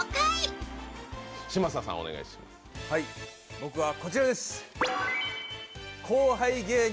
僕は、こちらです。